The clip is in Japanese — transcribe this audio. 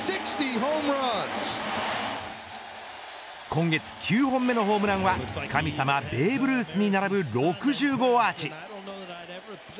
今月９本目のホームランは神様、ベーブ・ルースに並ぶ６０号アーチ。